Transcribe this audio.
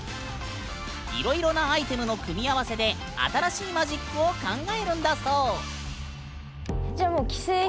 いろいろなアイテムの組み合わせで新しいマジックを考えるんだそう。